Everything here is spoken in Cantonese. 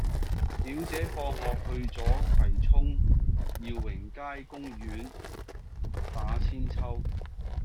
表姐放學去左葵涌耀榮街公園打韆鞦